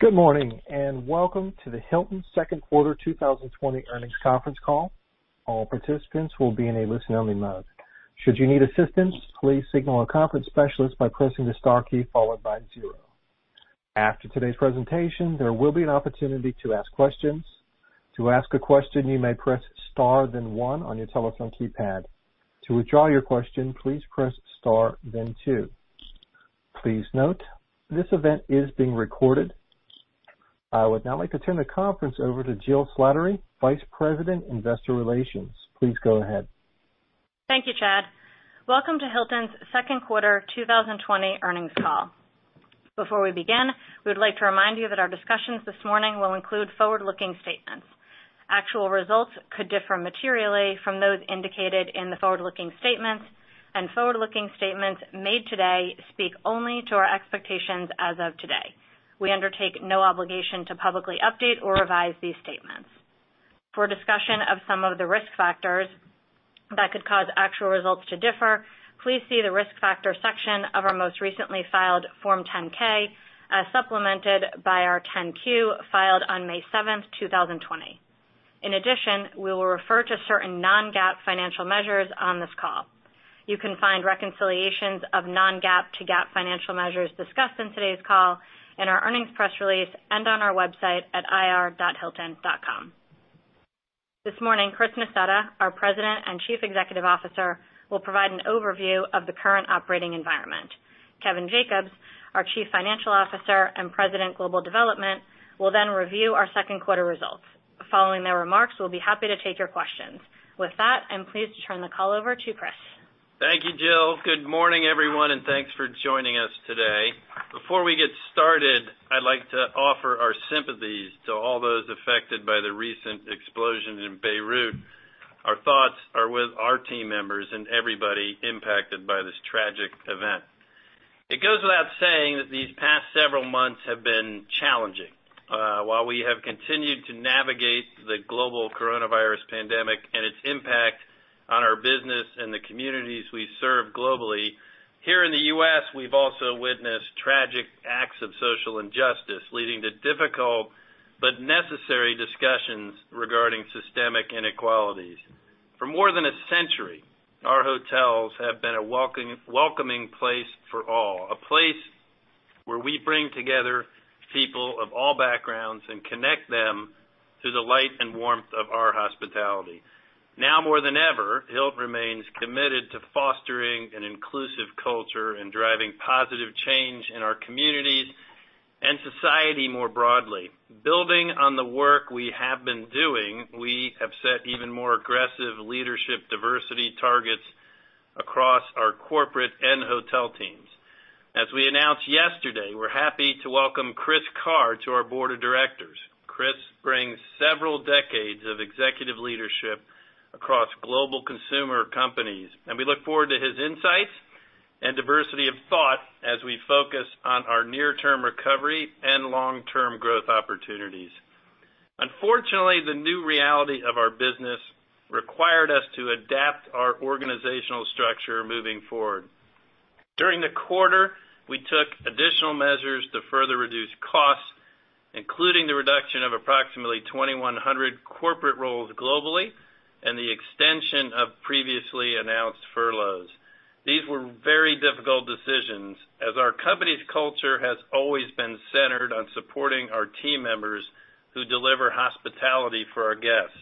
Good morning, and welcome to the Hilton second quarter 2020 earnings conference call. All participants will be in a listen-only mode. Should you need assistance, please signal a conference specialist by pressing the star key followed by zero. After today's presentation, there will be an opportunity to ask questions. To ask a question, you may press star then one on your telephone keypad. To withdraw your question, please press star then two. Please note, this event is being recorded. I would now like to turn the conference over to Jill Slattery, Vice President, Investor Relations. Please go ahead. Thank you, Chad. Welcome to Hilton's second quarter 2020 earnings call. Before we begin, we would like to remind you that our discussions this morning will include forward-looking statements. Actual results could differ materially from those indicated in the forward-looking statements, and forward-looking statements made today speak only to our expectations as of today. We undertake no obligation to publicly update or revise these statements. For discussion of some of the risk factors that could cause actual results to differ, please see the risk factors section of our most recently filed Form 10-K, as supplemented by our 10-Q filed on May 7th, 2020. In addition, we will refer to certain non-GAAP financial measures on this call. You can find reconciliations of non-GAAP to GAAP financial measures discussed in today's call in our earnings press release and on our website at ir.hilton.com. This morning, Chris Nassetta, our President and Chief Executive Officer, will provide an overview of the current operating environment. Kevin Jacobs, our Chief Financial Officer and President, Global Development, will then review our second quarter results. Following their remarks, we'll be happy to take your questions. With that, I'm pleased to turn the call over to Chris. Thank you, Jill. Good morning, everyone, and thanks for joining us today. Before we get started, I'd like to offer our sympathies to all those affected by the recent explosions in Beirut. Our thoughts are with our team members and everybody impacted by this tragic event. It goes without saying that these past several months have been challenging. While we have continued to navigate the global coronavirus pandemic and its impact on our business and the communities we serve globally, here in the U.S., we've also witnessed tragic acts of social injustice, leading to difficult but necessary discussions regarding systemic inequalities. For more than a century, our hotels have been a welcoming place for all, a place where we bring together people of all backgrounds and connect them to the light and warmth of our hospitality. Now more than ever, Hilton remains committed to fostering an inclusive culture and driving positive change in our communities and society more broadly. Building on the work we have been doing, we have set even more aggressive leadership diversity targets across our corporate and hotel teams. As we announced yesterday, we're happy to welcome Chris Carr to our Board of Directors. Chris brings several decades of executive leadership across global consumer companies, and we look forward to his insights and diversity of thought as we focus on our near-term recovery and long-term growth opportunities. Unfortunately, the new reality of our business required us to adapt our organizational structure moving forward. During the quarter, we took additional measures to further reduce costs, including the reduction of approximately 2,100 corporate roles globally and the extension of previously announced furloughs. These were very difficult decisions, as our company's culture has always been centered on supporting our team members who deliver hospitality for our guests.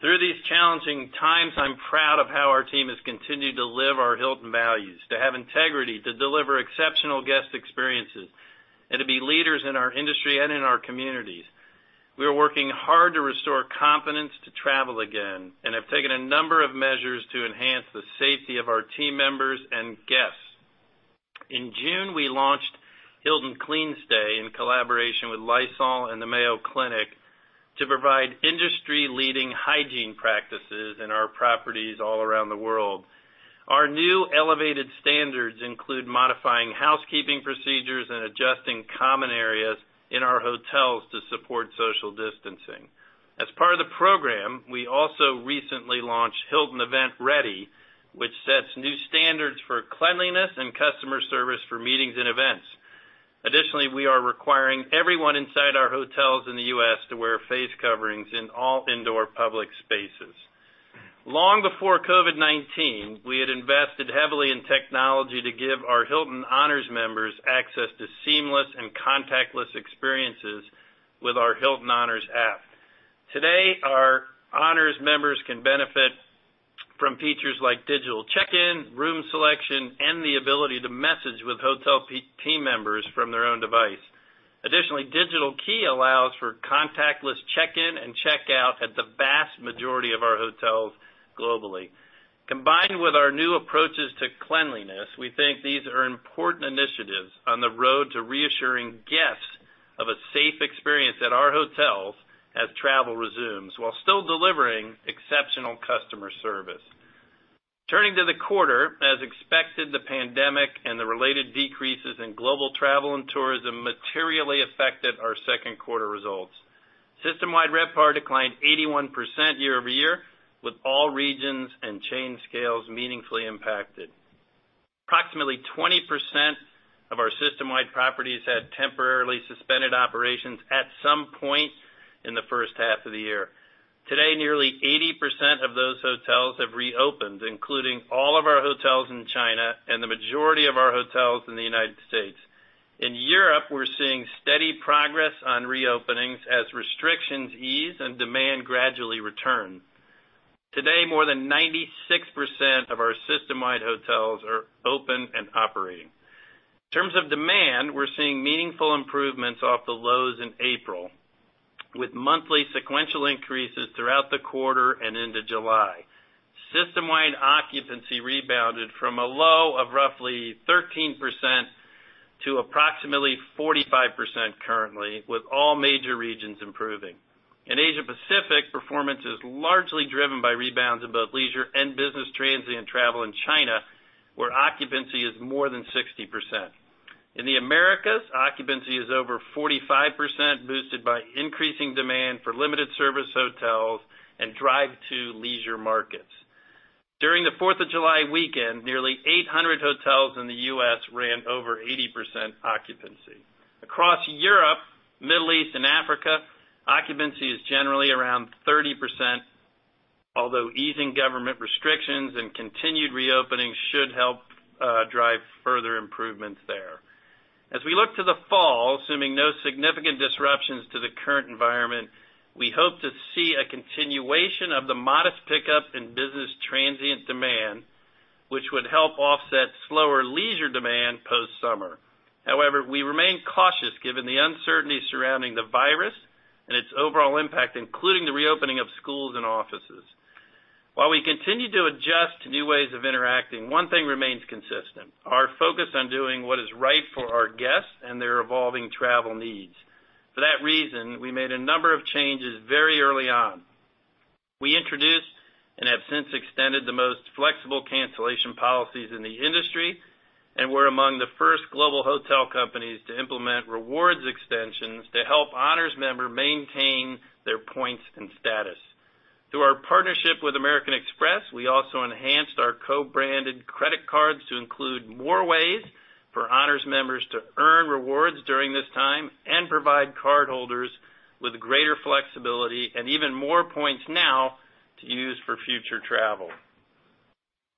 Through these challenging times, I'm proud of how our team has continued to live our Hilton values, to have integrity, to deliver exceptional guest experiences, and to be leaders in our industry and in our communities. We are working hard to restore confidence to travel again and have taken a number of measures to enhance the safety of our team members and guests. In June, we launched Hilton CleanStay in collaboration with Lysol and the Mayo Clinic to provide industry-leading hygiene practices in our properties all around the world. Our new elevated standards include modifying housekeeping procedures and adjusting common areas in our hotels to support social distancing. As part of the program, we also recently launched Hilton EventReady, which sets new standards for cleanliness and customer service for meetings and events. Additionally, we are requiring everyone inside our hotels in the U.S. to wear face coverings in all indoor public spaces. Long before COVID-19, we had invested heavily in technology to give our Hilton Honors members access to seamless and contactless experiences with our Hilton Honors app. Today, our Honors members can benefit from features like digital check-in, room selection, and the ability to message with hotel team members from their own device. Additionally, Digital Key allows for contactless check-in and check-out at the vast majority of our hotels globally. Combined with our new approaches to cleanliness, we think these are important initiatives on the road to reassuring guests of a safe experience at our hotels as travel resumes while still delivering exceptional customer service. Turning to the quarter, as expected, the pandemic and the related decreases in global travel and tourism materially affected our second quarter results. System-wide RevPAR declined 81% year-over-year with all regions and chain scales meaningfully impacted. Approximately 20% of our system-wide properties had temporarily suspended operations at some point in the first half of the year. Today, nearly 80% of those hotels have reopened, including all of our hotels in China and the majority of our hotels in the United States. In Europe, we're seeing steady progress on reopenings as restrictions ease and demand gradually return. Today, more than 96% of our system-wide hotels are open and operating. In terms of demand, we're seeing meaningful improvements off the lows in April, with monthly sequential increases throughout the quarter and into July. System-wide occupancy rebounded from a low of roughly 13% to approximately 45% currently, with all major regions improving. In Asia Pacific, performance is largely driven by rebounds in both leisure and business transient travel in China, where occupancy is more than 60%. In the Americas, occupancy is over 45%, boosted by increasing demand for limited service hotels and drive-to leisure markets. During July 4th weekend, nearly 800 hotels in the U.S. ran over 80% occupancy. Across Europe, Middle East, and Africa, occupancy is generally around 30%, although easing government restrictions and continued reopenings should help drive further improvements there. As we look to the fall, assuming no significant disruptions to the current environment, we hope to see a continuation of the modest pickup in business transient demand, which would help offset slower leisure demand post-summer. However, we remain cautious given the uncertainty surrounding the virus and its overall impact, including the reopening of schools and offices. While we continue to adjust to new ways of interacting, one thing remains consistent, our focus on doing what is right for our guests and their evolving travel needs. For that reason, we made a number of changes very early on. We introduced and have since extended the most flexible cancellation policies in the industry, and we're among the first global hotel companies to implement rewards extensions to help Honors member maintain their points and status. Through our partnership with American Express, we also enhanced our co-branded credit cards to include more ways for Honors members to earn rewards during this time and provide cardholders with greater flexibility and even more points now to use for future travel.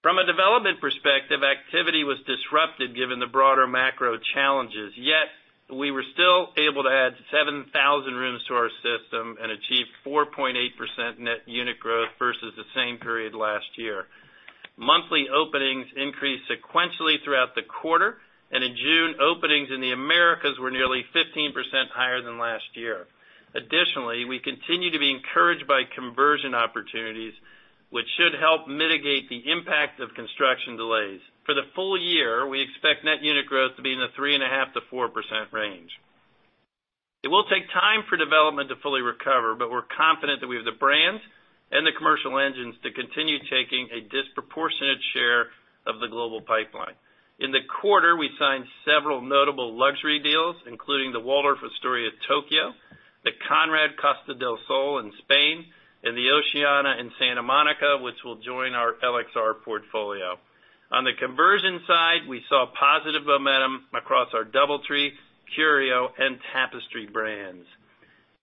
From a development perspective, activity was disrupted given the broader macro challenges. Yet, we were still able to add 7,000 rooms to our system and achieve 4.8% net unit growth versus the same period last year. Monthly openings increased sequentially throughout the quarter, and in June, openings in the Americas were nearly 15% higher than last year. Additionally, we continue to be encouraged by conversion opportunities, which should help mitigate the impact of construction delays. For the full year, we expect net unit growth to be in the 3.5%-4% range. It will take time for development to fully recover, but we're confident that we have the brands and the commercial engines to continue taking a disproportionate share of the global pipeline. In the quarter, we signed several notable luxury deals, including the Waldorf Astoria Tokyo, the Conrad Costa del Sol in Spain, and the Oceana in Santa Monica, which will join our LXR portfolio. On the conversion side, we saw positive momentum across our DoubleTree, Curio, and Tapestry brands.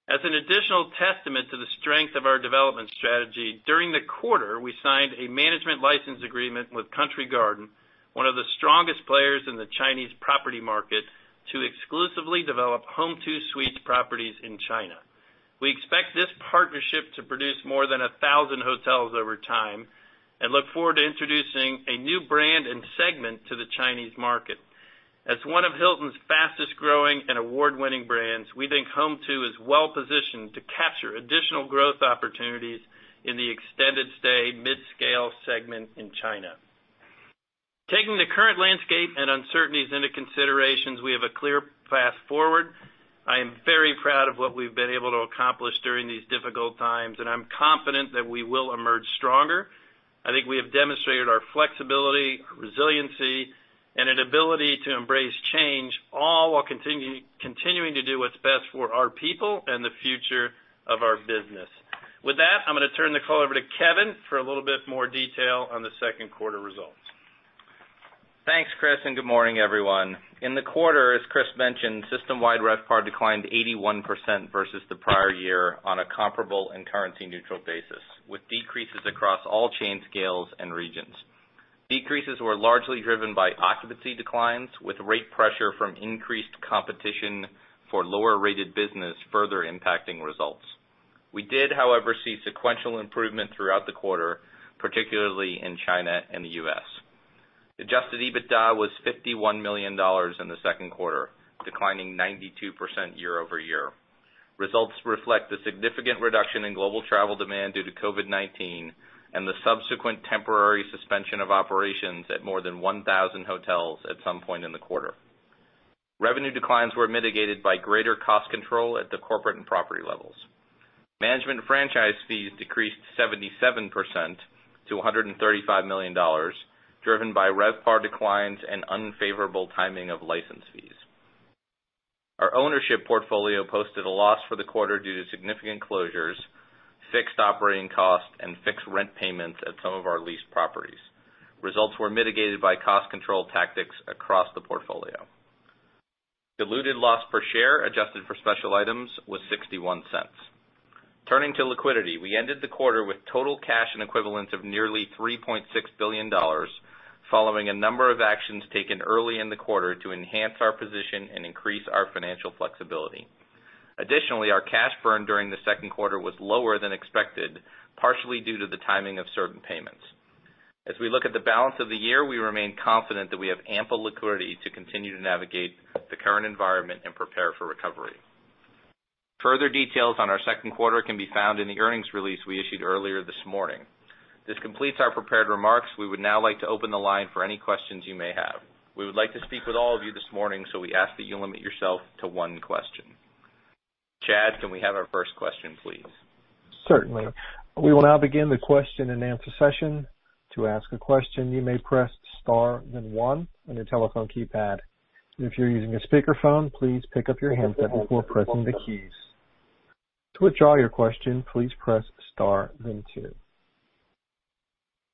As an additional testament to the strength of our development strategy, during the quarter, we signed a management license agreement with Country Garden, one of the strongest players in the Chinese property market, to exclusively develop Home2 Suites properties in China. We expect this partnership to produce more than 1,000 hotels over time and look forward to introducing a new brand and segment to the Chinese market. As one of Hilton's fastest-growing and award-winning brands, we think Home2 is well positioned to capture additional growth opportunities in the extended stay mid-scale segment in China. Taking the current landscape and uncertainties into considerations, we have a clear path forward. I am very proud of what we've been able to accomplish during these difficult times, and I'm confident that we will emerge stronger. I think we have demonstrated our flexibility, our resiliency, and an ability to embrace change, all while continuing to do what's best for our people and the future of our business. With that, I'm going to turn the call over to Kevin for a little bit more detail on the second quarter results. Thanks, Chris. Good morning, everyone. In the quarter, as Chris mentioned, system-wide RevPAR declined 81% versus the prior year on a comparable and currency-neutral basis, with decreases across all chain scales and regions. Decreases were largely driven by occupancy declines, with rate pressure from increased competition for lower-rated business further impacting results. We did, however, see sequential improvement throughout the quarter, particularly in China and the U.S. Adjusted EBITDA was $51 million in the second quarter, declining 92% year-over-year. Results reflect the significant reduction in global travel demand due to COVID-19 and the subsequent temporary suspension of operations at more than 1,000 hotels at some point in the quarter. Revenue declines were mitigated by greater cost control at the corporate and property levels. Management franchise fees decreased 77% to $135 million Driven by RevPAR declines and unfavorable timing of license fees. Our ownership portfolio posted a loss for the quarter due to significant closures, fixed operating costs, and fixed rent payments at some of our leased properties. Results were mitigated by cost control tactics across the portfolio. Diluted loss per share, adjusted for special items, was $0.61. Turning to liquidity, we ended the quarter with total cash and equivalents of nearly $3.6 billion, following a number of actions taken early in the quarter to enhance our position and increase our financial flexibility. Additionally, our cash burn during the second quarter was lower than expected, partially due to the timing of certain payments. As we look at the balance of the year, we remain confident that we have ample liquidity to continue to navigate the current environment and prepare for recovery. Further details on our second quarter can be found in the earnings release we issued earlier this morning. This completes our prepared remarks. We would now like to open the line for any questions you may have. We would like to speak with all of you this morning. We ask that you limit yourself to one question. Chad, can we have our first question, please? Certainly. We will now begin the question-and-answer session. To ask a question, you may press star then one on your telephone keypad. If you're using a speakerphone, please pick up your handset before pressing the keys. To withdraw your question, please press star then two.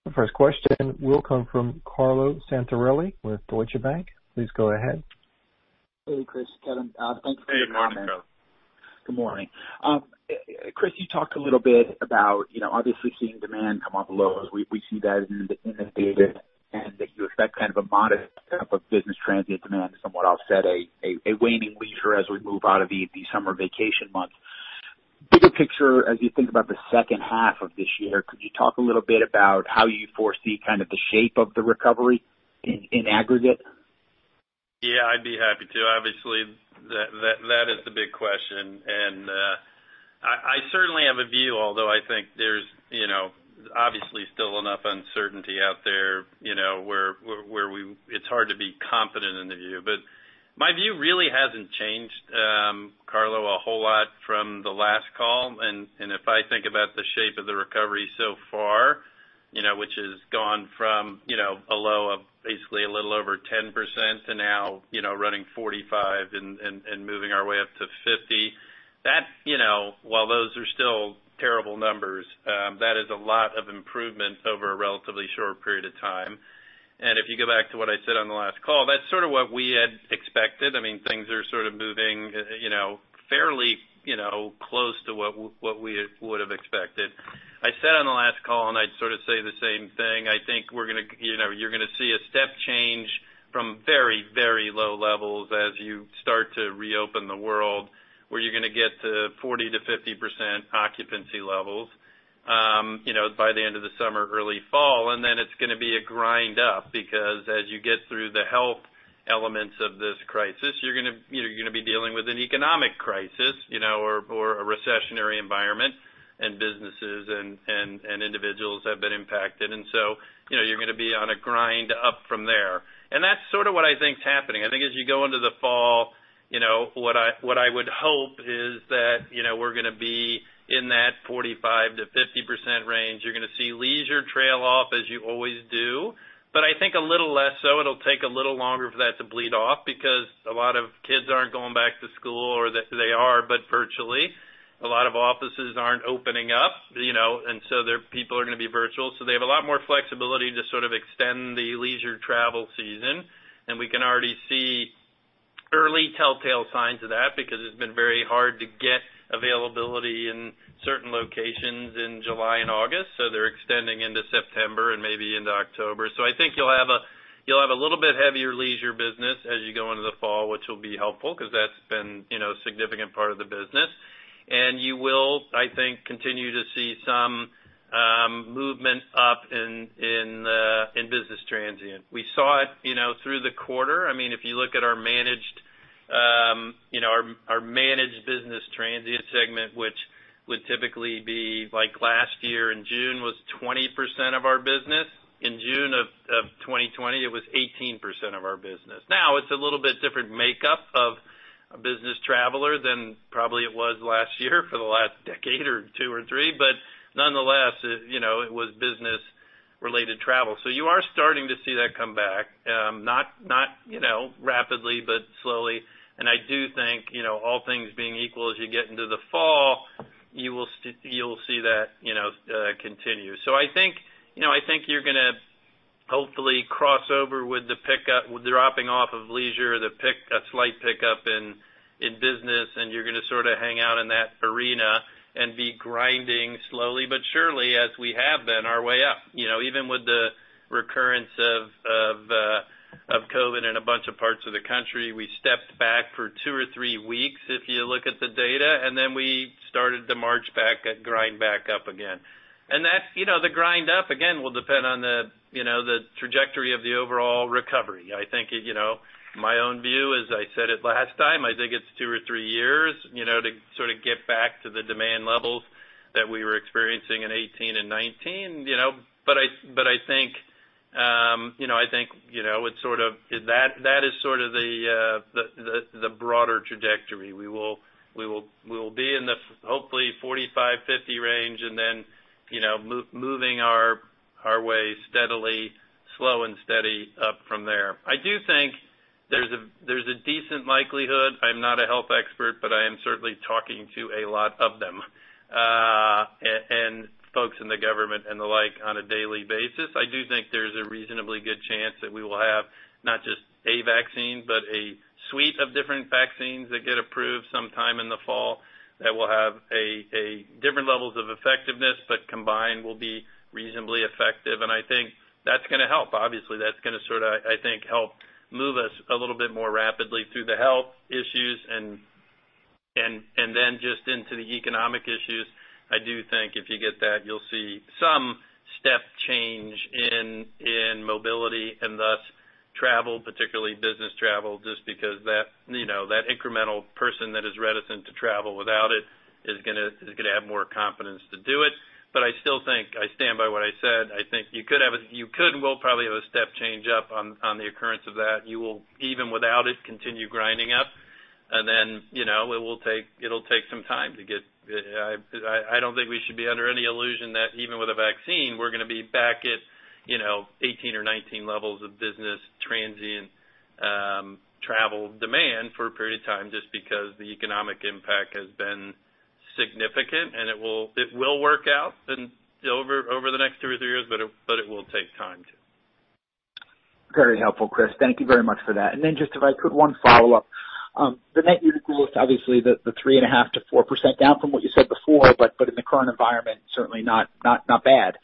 The first question will come from Carlo Santarelli with Deutsche Bank. Please go ahead. Hey, Chris, Kevin. Thanks for the time. Hey, good morning, Carlo. Good morning. Chris, you talked a little bit about obviously seeing demand come off lows. We see that in the data, and that you expect kind of a modest step up of business transient demand to somewhat offset a waning leisure as we move out of the summer vacation months. Bigger picture, as you think about the second half of this year, could you talk a little bit about how you foresee kind of the shape of the recovery in aggregate? Yeah, I'd be happy to. Obviously, that is the big question, and I certainly have a view, although I think there's obviously still enough uncertainty out there, where it's hard to be confident in the view. My view really hasn't changed, Carlo, a whole lot from the last call. If I think about the shape of the recovery so far, which has gone from a low of basically a little over 10% to now running 45% and moving our way up to 50%. While those are still terrible numbers, that is a lot of improvement over a relatively short period of time. If you go back to what I said on the last call, that's sort of what we had expected. Things are sort of moving fairly close to what we would've expected. I said on the last call, and I'd sort of say the same thing, I think you're going to see a step change from very low levels as you start to reopen the world, where you're going to get to 40%-50% occupancy levels by the end of the summer or early fall. Then it's going to be a grind up because as you get through the health elements of this crisis, you're going to be dealing with an economic crisis or a recessionary environment and businesses and individuals have been impacted. So you're going to be on a grind up from there. That's sort of what I think is happening. I think as you go into the fall, what I would hope is that we're going to be in that 45%-50% range. You're going to see leisure trail off as you always do, but I think a little less so. It'll take a little longer for that to bleed off because a lot of kids aren't going back to school or they are, but virtually. A lot of offices aren't opening up, and so their people are going to be virtual. They have a lot more flexibility to sort of extend the leisure travel season. We can already see early telltale signs of that because it's been very hard to get availability in certain locations in July and August, so they're extending into September and maybe into October. I think you'll have a little bit heavier leisure business as you go into the fall, which will be helpful because that's been a significant part of the business. You will, I think, continue to see some movement up in business transient. We saw it through the quarter. If you look at our managed business transient segment, which would typically be like last year in June was 20% of our business. In June of 2020, it was 18% of our business. Now, it's a little bit different makeup of a business traveler than probably it was last year for the last decade or two or three, but nonetheless, it was business-related travel. You are starting to see that come back, not rapidly, but slowly. I do think all things being equal as you get into the fall, you'll see that continue. I think you're going to hopefully cross over with the pickup, with the dropping off of leisure, a slight pickup in business, and you're going to sort of hang out in that arena and be grinding slowly but surely as we have been our way up. Even with the recurrence of COVID in a bunch of parts of the country, we stepped back for two or three weeks, if you look at the data, and then we started to march back and grind back up again. The grind up, again, will depend on the trajectory of the overall recovery. My own view, as I said it last time, I think it's two or three years to sort of get back to the demand levels that we were experiencing in 2018 and 2019. I think that is sort of the broader trajectory. We will be in the hopefully 45%, 50% range and then moving our way steadily, slow and steady up from there. I do think there's a decent likelihood, I'm not a health expert, but I am certainly talking to a lot of them, and folks in the government and the like on a daily basis. I do think there's a reasonably good chance that we will have not just a vaccine, but a suite of different vaccines that get approved sometime in the fall that will have different levels of effectiveness, but combined will be reasonably effective. I think that's going to help. Obviously, that's going to sort of, I think, help move us a little bit more rapidly through the health issues and then just into the economic issues. I do think if you get that, you'll see some step change in mobility and thus travel, particularly business travel, just because that incremental person that is reticent to travel without it is going to have more confidence to do it. I still think I stand by what I said. I think you could and will probably have a step change up on the occurrence of that. You will, even without it, continue grinding up, then it'll take some time. I don't think we should be under any illusion that even with a vaccine, we're going to be back at 2018 or 2019 levels of business transient travel demand for a period of time, just because the economic impact has been significant, and it will work out over the next two or three years, but it will take time. Very helpful, Chris. Thank you very much for that. Then just if I could, one follow-up. The net unit growth, obviously the 3.5%-4% down from what you said before, but in the current environment, certainly not bad.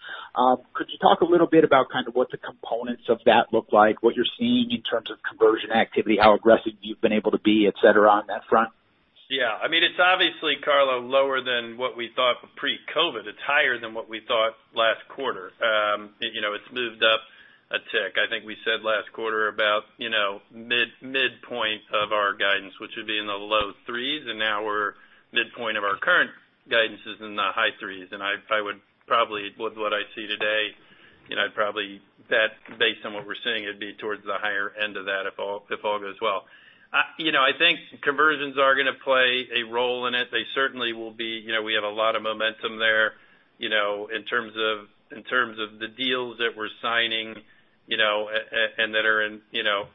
Could you talk a little bit about kind of what the components of that look like, what you're seeing in terms of conversion activity, how aggressive you've been able to be, et cetera, on that front? Yeah. It's obviously, Carlo, lower than what we thought pre-COVID. It's higher than what we thought last quarter. It's moved up a tick. I think we said last quarter about midpoint of our guidance, which would be in the low threes. Now we're midpoint of our current guidance is in the high threes. I would probably, with what I see today, I'd probably bet, based on what we're seeing, it'd be towards the higher end of that if all goes well. I think conversions are going to play a role in it. They certainly will be. We have a lot of momentum there in terms of the deals that we're signing and that are in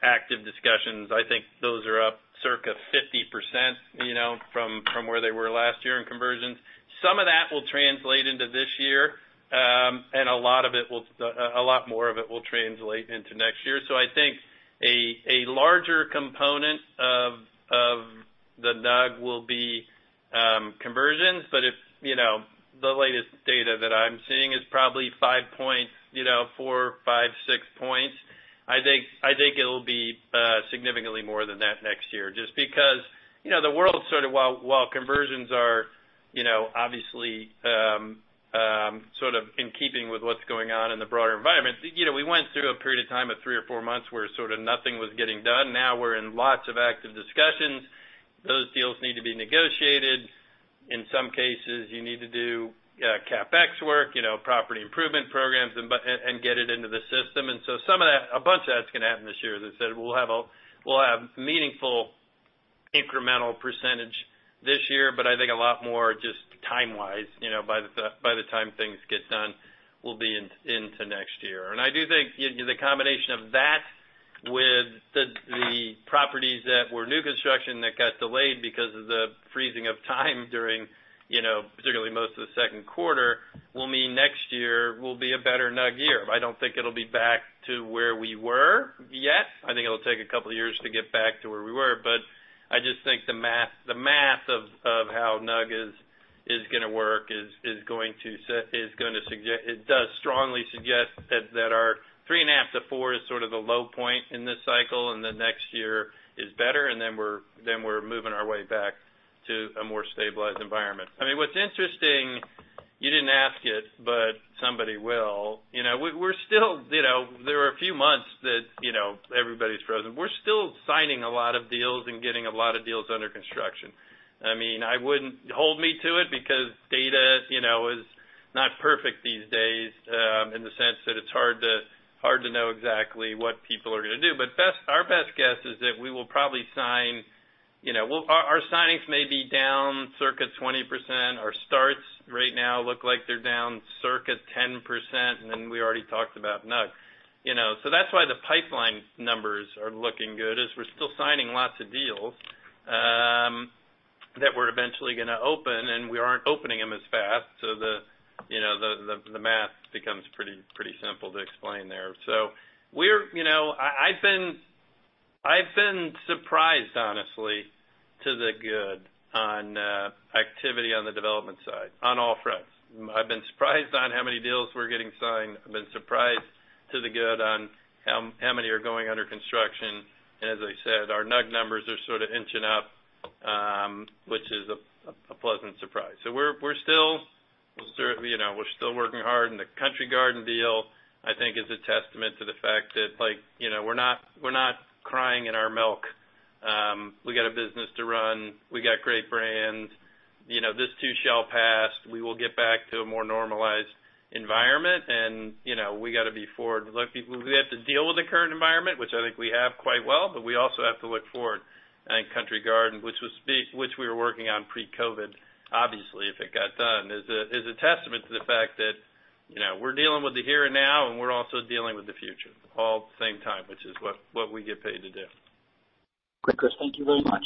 active discussions. I think those are up circa 50% from where they were last year in conversions. Some of that will translate into this year. A lot more of it will translate into next year. I think a larger component of the NUG will be conversions, but the latest data that I'm seeing is probably four, five, six points. I think it'll be significantly more than that next year, just because the world sort of while conversions are obviously sort of in keeping with what's going on in the broader environment. We went through a period of time of three or four months where sort of nothing was getting done. Now we're in lots of active discussions. Those deals need to be negotiated. In some cases, you need to do CapEx work, property improvement programs and get it into the system. A bunch of that's going to happen this year. As I said, we'll have meaningful incremental percentage this year. I think a lot more just time-wise, by the time things get done, we'll be into next year. I do think the combination of that with the properties that were new construction that got delayed because of the freezing of time during certainly most of the second quarter, will mean next year will be a better NUG year. I don't think it'll be back to where we were yet. I think it'll take a couple of years to get back to where we were. I just think the math of how NUG is going to work it does strongly suggest that our 3.5%-4% is sort of the low point in this cycle, and then next year is better, and then we're moving our way back to a more stabilized environment. What's interesting, you didn't ask it, but somebody will. There were a few months that everybody's frozen. We're still signing a lot of deals and getting a lot of deals under construction. Hold me to it because data is not perfect these days in the sense that it's hard to know exactly what people are going to do. Our best guess is that Our signings may be down circa 20%. Our starts right now look like they're down circa 10%, we already talked about NUG. That's why the pipeline numbers are looking good, is we're still signing lots of deals that we're eventually going to open, and we aren't opening them as fast. The math becomes pretty simple to explain there. I've been surprised, honestly, to the good on activity on the development side, on all fronts. I've been surprised on how many deals we're getting signed. I've been surprised to the good on how many are going under construction. As I said, our NUG numbers are sort of inching up, which is a pleasant surprise. We're still working hard, and the Country Garden deal, I think, is a testament to the fact that we're not crying in our milk. We got a business to run. We got great brands. This too shall pass. We will get back to a more normalized environment, and we got to be forward-looking people. We have to deal with the current environment, which I think we have quite well, but we also have to look forward. I think Country Garden, which we were working on pre-COVID, obviously, if it got done, is a testament to the fact that we're dealing with the here and now, and we're also dealing with the future, all at the same time, which is what we get paid to do. Great, Chris. Thank you very much.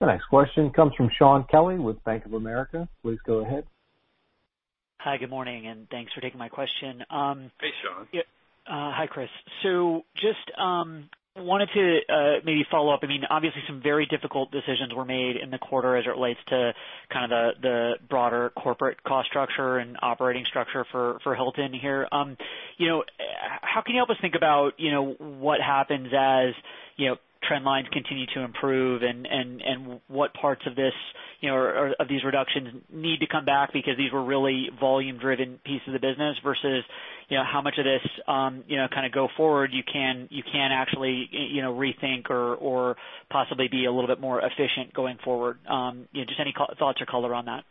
The next question comes from Shaun Kelley with Bank of America. Please go ahead. Hi, good morning, and thanks for taking my question. Hey, Shaun. Hi, Chris. Just wanted to maybe follow up. Obviously, some very difficult decisions were made in the quarter as it relates to the broader corporate cost structure and operating structure for Hilton here. How can you help us think about what happens as trend lines continue to improve and what parts of these reductions need to come back because these were really volume-driven pieces of the business versus how much of this kind of go-forward you can actually rethink or possibly be a little bit more efficient going forward? Just any thoughts or color on that?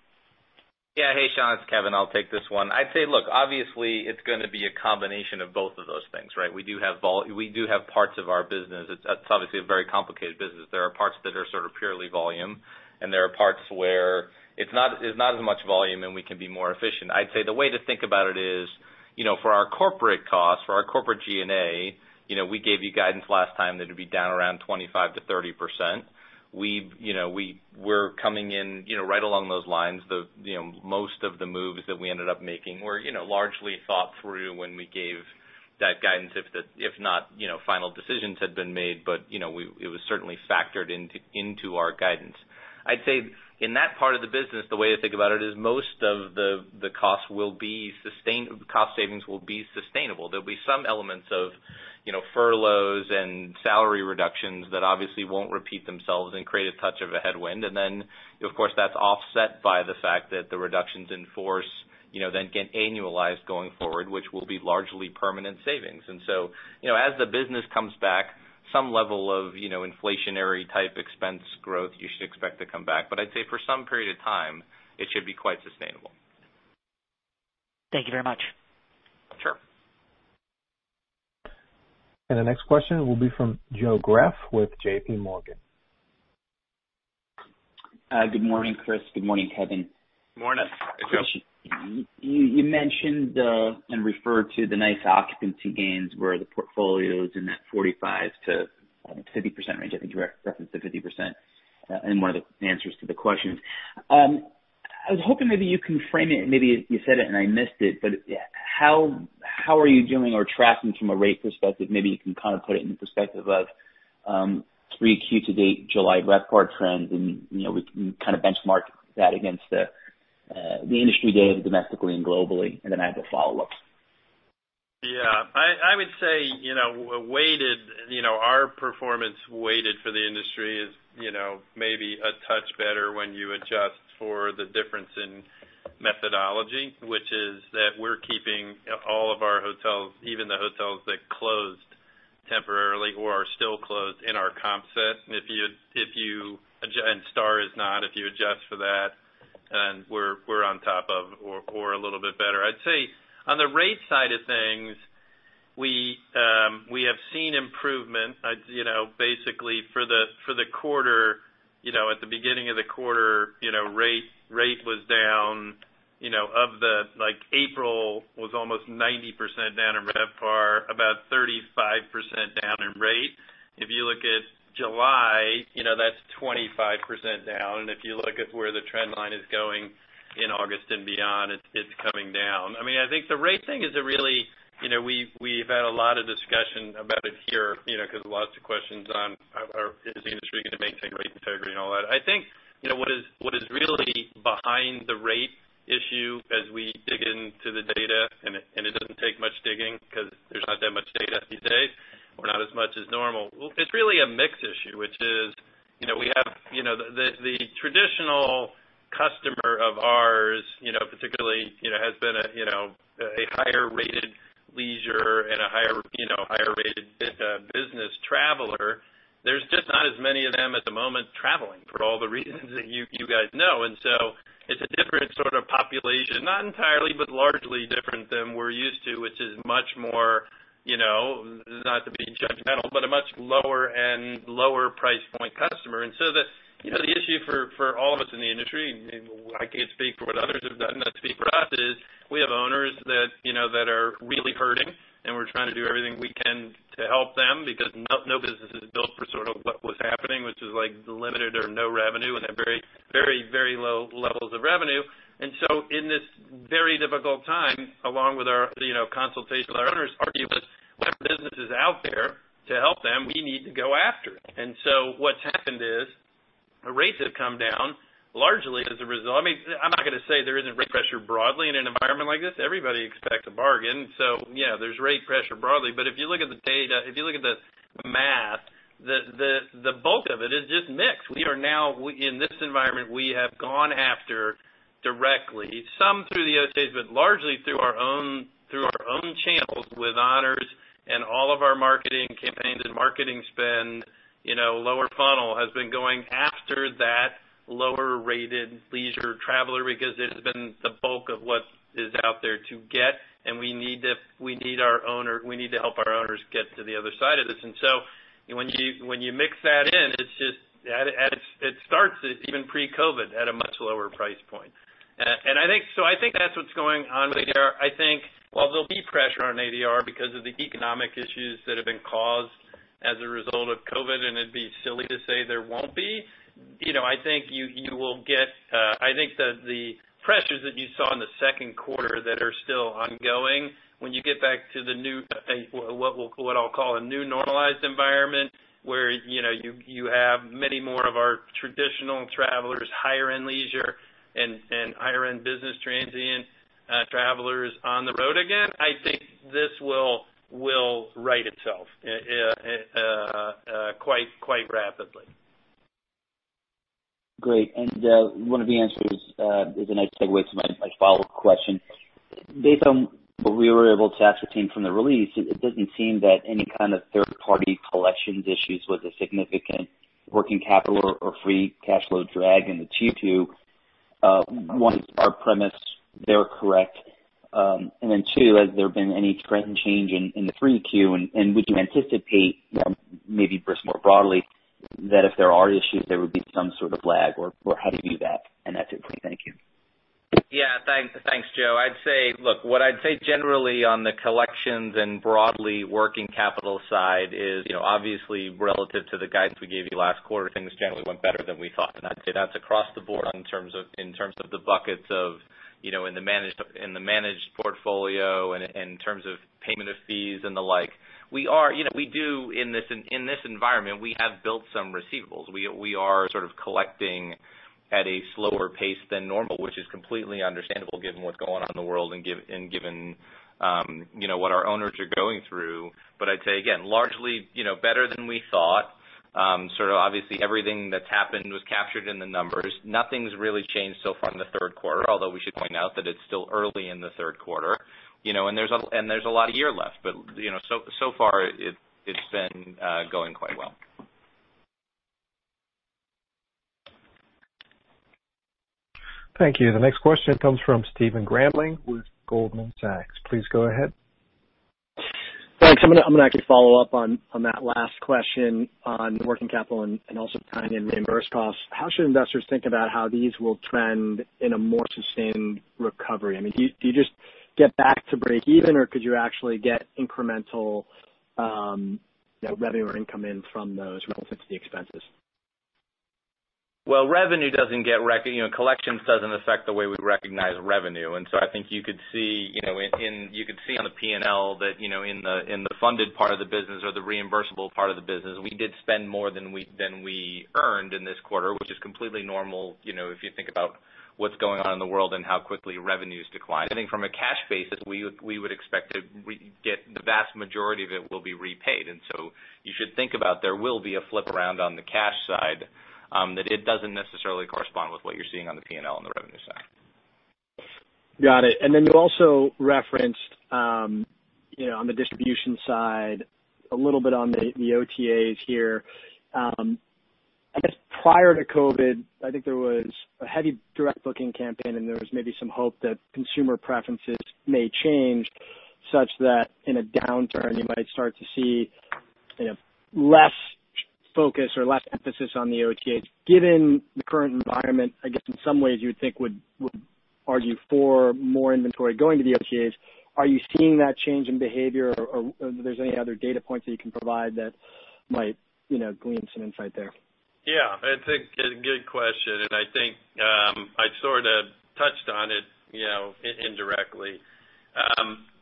Yeah. Hey, Shaun, it's Kevin. I'll take this one. I'd say, look, obviously, it's going to be a combination of both of those things, right? We do have parts of our business. It's obviously a very complicated business. There are parts that are sort of purely volume, and there are parts where it's not as much volume, and we can be more efficient. I'd say the way to think about it is, for our corporate costs, for our corporate G&A, we gave you guidance last time that it'd be down around 25%-30%. We're coming in right along those lines. Most of the moves that we ended up making were largely thought through when we gave that guidance, if not final decisions had been made. It was certainly factored into our guidance. I'd say in that part of the business, the way to think about it is most of the cost savings will be sustainable. There'll be some elements of furloughs and salary reductions that obviously won't repeat themselves and create a touch of a headwind. Then, of course, that's offset by the fact that the reductions in force then get annualized going forward, which will be largely permanent savings. As the business comes back, some level of inflationary type expense growth you should expect to come back. I'd say for some period of time, it should be quite sustainable. Thank you very much. Sure. The next question will be from Joe Greff with JPMorgan. Good morning, Chris. Good morning, Kevin. Morning. Hey, Joe. You mentioned and referred to the nice occupancy gains where the portfolio is in that 45%-50% range. I think you referenced the 50% in one of the answers to the questions. I was hoping maybe you can frame it, maybe you said it and I missed it, but how are you doing or tracking from a rate perspective? Maybe you can kind of put it in the perspective of 3Q to date July RevPAR trends, and we can kind of benchmark that against the industry data domestically and globally. Then I have a follow-up. Yeah. I would say our performance weighted for the industry is maybe a touch better when you adjust for the difference in methodology, which is that we're keeping all of our hotels, even the hotels that closed temporarily or are still closed, in our comp set. STR is not, if you adjust for that, and we're on top of or a little bit better. I'd say on the rate side of things, we have seen improvement basically for the quarter. At the beginning of the quarter, rate was down. April was almost 90% down in RevPAR, about 35% down in rate. If you look at July, that's 25% down. If you look at where the trend line is going in August and beyond, it's coming down. We've had a lot of discussion about it here, because lots of questions on is the industry going to maintain rate integrity and all that. I think what is really behind the rate issue as we dig into the data, and it doesn't take much digging because there's not that much data these days, or not as much as normal. It's really a mix issue, which is the traditional customer of ours, particularly, has been a higher rated leisure and a higher rated business traveler. There's just not as many of them at the moment traveling for all the reasons that you guys know. It's a different sort of population, not entirely, but largely different than we're used to, which is much more, not to be judgmental, but a much lower and lower price point customer. The issue for all of us in the industry, I can't speak for what others have done, and I speak for us, is we have owners that are really hurting, and we're trying to do everything we can to help them because no business is built for sort of what was happening, which is limited or no revenue and then very low levels of revenue. In this very difficult time, along with our consultation with our owners, argue with whatever business is out there to help them, we need to go after it. What's happened is the rates have come down largely as a result. I'm not going to say there isn't rate pressure broadly in an environment like this. Everybody expects a bargain. Yeah, there's rate pressure broadly. If you look at the data, if you look at the math, the bulk of it is just mix. In this environment, we have gone after directly, some through the OTAs, but largely through our own some channels with Honors and all of our marketing campaigns and marketing spend, lower funnel has been going after that lower-rated leisure traveler because it has been the bulk of what is out there to get. We need to help our owners get to the other side of this. When you mix that in, it starts even pre-COVID at a much lower price point. I think that's what's going on with ADR. I think while there'll be pressure on ADR because of the economic issues that have been caused as a result of COVID, and it'd be silly to say there won't be, I think that the pressures that you saw in the second quarter that are still ongoing when you get back to what I'll call a new normalized environment, where you have many more of our traditional travelers, higher-end leisure, and higher-end business transient travelers on the road again, I think this will right itself quite rapidly. Great. One of the answers is a nice segue to my follow-up question. Based on what we were able to ascertain from the release, it doesn't seem that any kind of third-party collections issues was a significant working capital or free cash flow drag in the Q2. One, is our premise there correct? Then two, has there been any trend change in the 3Q, and we can anticipate maybe risk more broadly, that if there are issues, there would be some sort of lag, or how do you view that? That's it for me. Thank you. Thanks, Joe. What I'd say generally on the collections and broadly working capital side is obviously relative to the guidance we gave you last quarter, things generally went better than we thought, and I'd say that's across the board in terms of the buckets of in the managed portfolio and in terms of payment of fees and the like. In this environment, we have built some receivables. We are sort of collecting at a slower pace than normal, which is completely understandable given what's going on in the world and given what our owners are going through. I'd say again, largely, better than we thought. Obviously, everything that's happened was captured in the numbers. Nothing's really changed so far in the third quarter, although we should point out that it's still early in the third quarter, and there's a lot of year left. So far it's been going quite well. Thank you. The next question comes from Stephen Grambling with Goldman Sachs. Please go ahead. Thanks. I'm going to actually follow up on that last question on working capital and also tying in reimbursed costs. How should investors think about how these will trend in a more sustained recovery? I mean, do you just get back to breakeven or could you actually get incremental revenue or income in from those relative to the expenses? Well, collections doesn't affect the way we recognize revenue. I think you could see on the P&L that in the funded part of the business or the reimbursable part of the business, we did spend more than we earned in this quarter, which is completely normal if you think about what's going on in the world and how quickly revenues declined. I think from a cash basis, we would expect to get the vast majority of it will be repaid. You should think about there will be a flip around on the cash side, that it doesn't necessarily correspond with what you're seeing on the P&L on the revenue side. Got it. You also referenced on the distribution side a little bit on the OTAs here. I guess prior to COVID, I think there was a heavy direct booking campaign, and there was maybe some hope that consumer preferences may change such that in a downturn you might start to see less focus or less emphasis on the OTAs. Given the current environment, I guess in some ways you would think would argue for more inventory going to the OTAs. Are you seeing that change in behavior or if there's any other data points that you can provide that might glean some insight there? Yeah. It's a good question, and I think I sort of touched on it indirectly.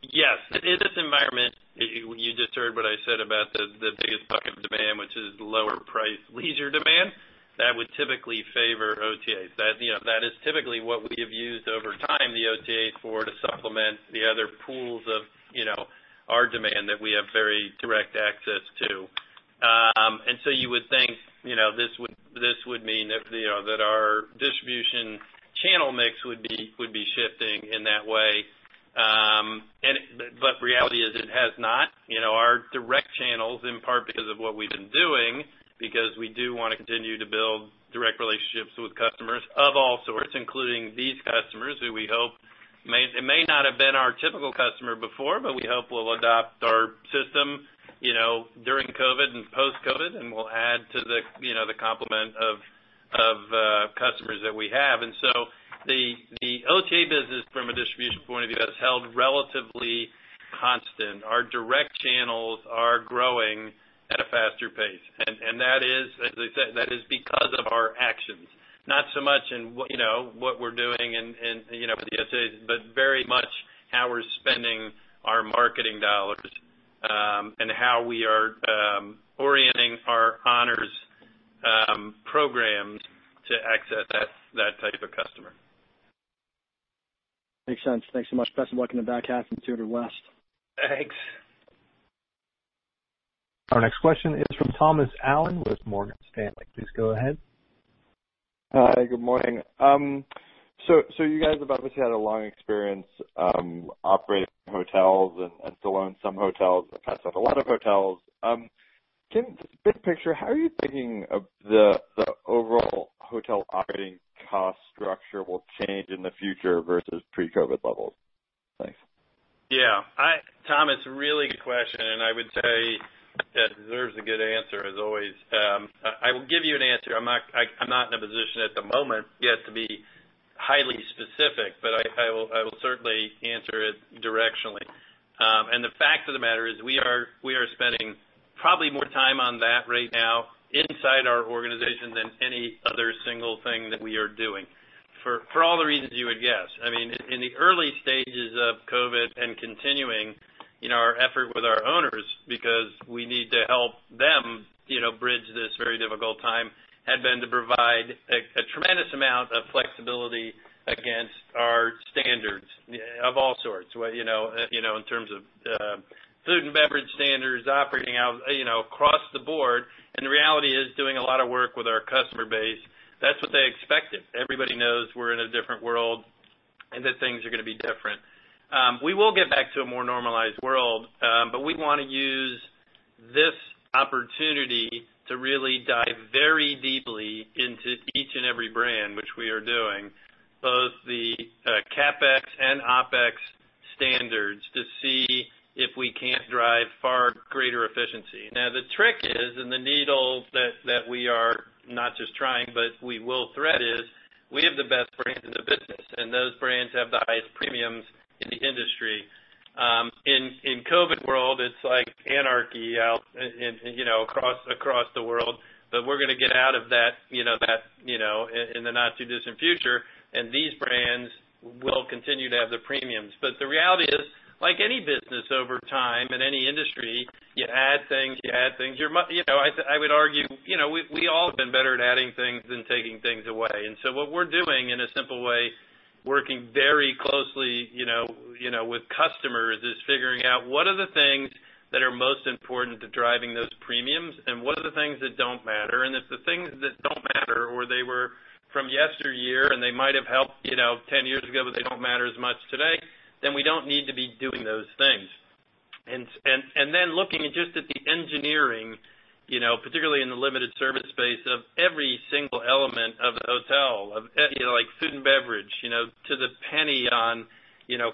Yes. In this environment, you just heard what I said about the biggest bucket of demand, which is lower price leisure demand, that would typically favor OTAs. That is typically what we have used over time, the OTAs, for to supplement the other pools of our demand that we have very direct access to. You would think this would mean that our distribution channel mix would be shifting in that way. Reality is it has not. Our direct channels, in part because of what we've been doing, because we do want to continue to build direct relationships with customers of all sorts, including these customers who we hope it may not have been our typical customer before, but we hope will adopt our system during COVID and post-COVID, and will add to the complement of customers that we have. The OTA business from a distribution point of view has held relatively constant. Our direct channels are growing at a faster pace, and that is because of our actions, not so much in what we're doing with the OTAs, but very much how we're spending our marketing dollars, and how we are orienting our Hilton Honors programs to access that type of customer. Makes sense. Thanks so much. Best of luck in the back half and Q4. Thanks. Our next question is from Thomas Allen with Morgan Stanley. Please go ahead. Hi. Good morning. You guys have obviously had a long experience operating hotels and still own some hotels, have passed off a lot of hotels. Big picture, how are you thinking of the overall hotel operating cost structure will change in the future versus pre-COVID levels? Thanks. Yeah. Thomas, really good question. I would say that deserves a good answer as always. I will give you an answer. I'm not in a position at the moment yet to be highly specific, but I will certainly answer it directionally. The fact of the matter is, we are spending probably more time on that right now inside our organization than any other single thing that we are doing, for all the reasons you would guess. In the early stages of COVID and continuing, our effort with our owners, because we need to help them bridge this very difficult time, had been to provide a tremendous amount of flexibility against our standards of all sorts, in terms of food and beverage standards, operating out across the board. The reality is doing a lot of work with our customer base, that's what they expected. Everybody knows we're in a different world and that things are going to be different. We will get back to a more normalized world. We want to use this opportunity to really dive very deeply into each and every brand, which we are doing, both the CapEx and OpEx standards, to see if we can't drive far greater efficiency. Now, the trick is, and the needle that we are not just trying, but we will thread is, we have the best brands in the business, and those brands have the highest premiums in the industry. In COVID world, it's like anarchy out across the world, but we're going to get out of that in the not-too-distant future, and these brands will continue to have the premiums. The reality is, like any business over time in any industry, you add things. I would argue, we all have been better at adding things than taking things away. What we're doing, in a simple way, working very closely with customers, is figuring out what are the things that are most important to driving those premiums, and what are the things that don't matter. If the things that don't matter, or they were from yesteryear, and they might have helped 10 years ago, but they don't matter as much today, then we don't need to be doing those things. Then looking just at the engineering, particularly in the limited service space of every single element of the hotel, like food and beverage, to the penny on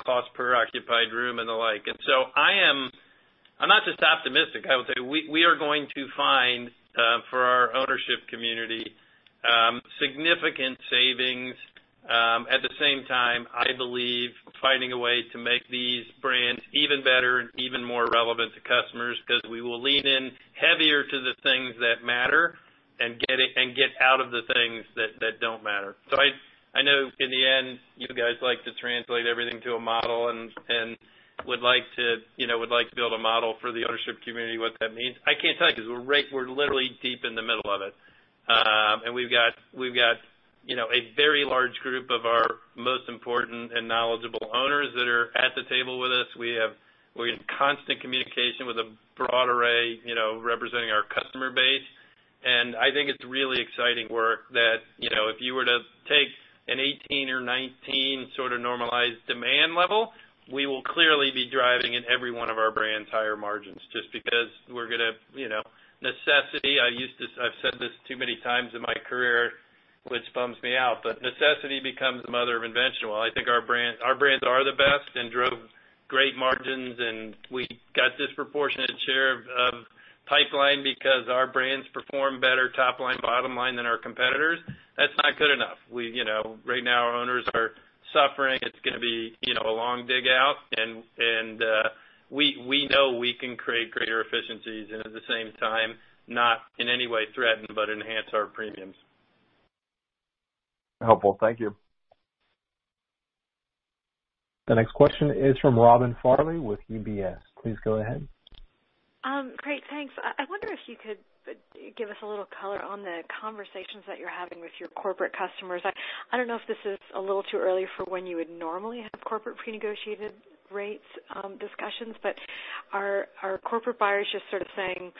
cost per occupied room and the like. I'm not just optimistic. I would say, we are going to find for our ownership community, significant savings. At the same time, I believe finding a way to make these brands even better and even more relevant to customers, because we will lean in heavier to the things that matter and get out of the things that don't matter. I know in the end, you guys like to translate everything to a model and would like to build a model for the ownership community what that means. I can't tell you because we're literally deep in the middle of it. We've got a very large group of our most important and knowledgeable owners that are at the table with us. We're in constant communication with a broad array representing our customer base. I think it's really exciting work that if you were to take a 2018 or 2019 sort of normalized demand level, we will clearly be driving in every one of our brands higher margins just because we're going to necessity. I've said this too many times in my career, which bums me out, but necessity becomes the mother of invention. While I think our brands are the best and drove great margins, and we got disproportionate share of pipeline because our brands perform better top line, bottom line than our competitors, that's not good enough. Right now, our owners are suffering. It's going to be a long dig out, and we know we can create greater efficiencies, and at the same time, not in any way threaten, but enhance our premiums. Helpful. Thank you. The next question is from Robin Farley with UBS. Please go ahead. Great. Thanks. I wonder if you could give us a little color on the conversations that you're having with your corporate customers. I don't know if this is a little too early for when you would normally have corporate prenegotiated rates discussions. Are corporate buyers just sort of saying,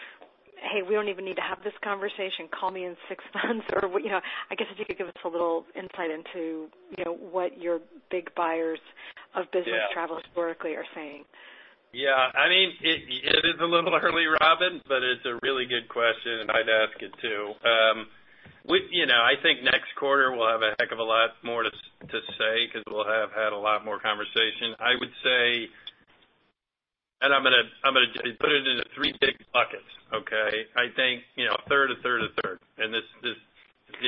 hey, we don't even need to have this conversation. Call me in six months or I guess if you could give us a little insight into what your big buyers of business travel historically are saying. Yeah. It is a little early, Robin, but it's a really good question, and I'd ask it too. I think next quarter we'll have a heck of a lot more to say because we'll have had a lot more conversation. I would say, and I'm going to put it into three big buckets, okay? I think third, a third, a third, and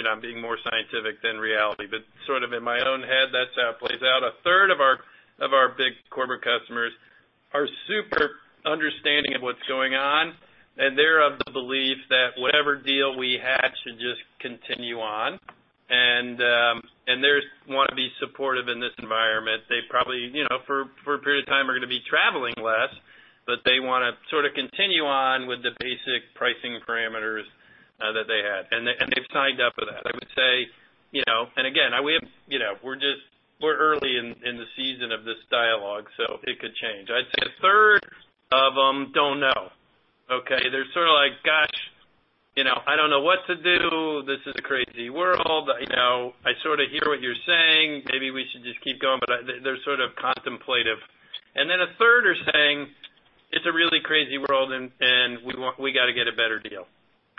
I'm being more scientific than reality, but sort of in my own head, that's how it plays out. A third of our big corporate customers are super understanding of what's going on, and they're of the belief that whatever deal we had should just continue on. They want to be supportive in this environment. They probably, for a period of time, are going to be traveling less, but they want to sort of continue on with the basic pricing parameters that they had, and they've signed up for that. I would say, and again, we're just early in the season of this dialogue, so it could change. I'd say a third of them don't know. Okay. They're sort of like, gosh, I don't know what to do. This is a crazy world. I sort of hear what you're saying. Maybe we should just keep going. They're sort of contemplative. A third are saying, it's a really crazy world, and we got to get a better deal.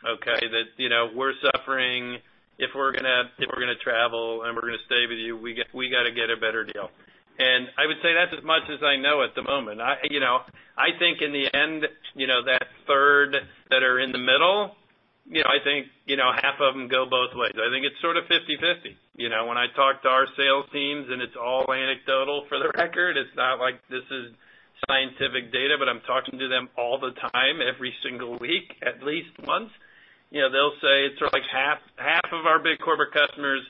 Okay. That, We're suffering. If we're going to travel, and we're going to stay with you, we got to get a better deal. I would say that's as much as I know at the moment. I think in the end, that third that are in the middle, I think, half of them go both ways. I think it's sort of 50/50. When I talk to our sales teams, and it's all anecdotal for the record, it's not like this is scientific data, but I'm talking to them all the time, every single week, at least once. They'll say sort of like half of our big corporate customers